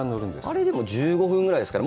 あれでも１５分ぐらいですかね。